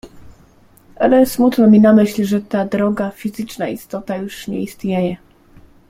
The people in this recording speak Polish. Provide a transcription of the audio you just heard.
"Ale smutno mi na myśl, że ta droga, fizyczna istota już nie istnieje."